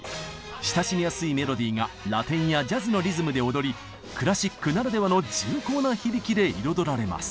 親しみやすいメロディーがラテンやジャズのリズムで踊りクラシックならではの重厚な響きで彩られます。